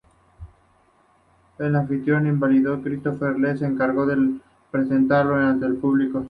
El anfitrión invitado, Christopher Lee, se encargó de presentarlo ante el público.